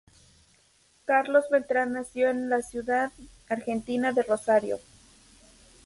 Carlos Beltrán nació en la ciudad argentina de Rosario.